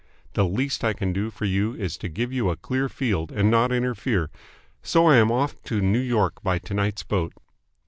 The least I can do for you is to give you a clear field and not interfere, so I am off to New York by to night's boat.